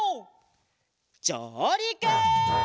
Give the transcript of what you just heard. じょうりく！